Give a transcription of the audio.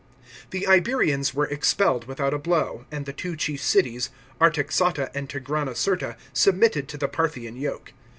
The Iberians were expelled without a blow, and the two chief cities. Artaxata arid Tigranocerta, submitted to the Parthian yoke.